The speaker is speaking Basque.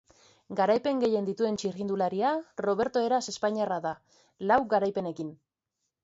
Garaipen gehien dituen txirrindularia Roberto Heras espainiarra da, lau garaipenekin.